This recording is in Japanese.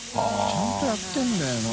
ちゃんとやってるんだよね。